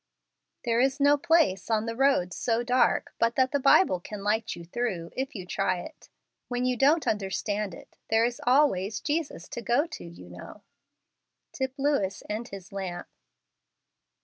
There is no place on the road so dark but that the Bible can light you through, if you try it. When you don't understand it, there is always Jesus to go to, you know. Tip Lewis and Ilis Lamp.